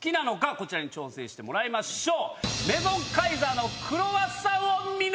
こちらに挑戦してもらいましょう。